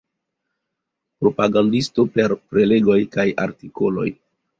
Propagandisto per prelegoj kaj artikoloj.